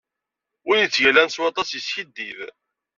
Win yettgalan s waṭas yeskidib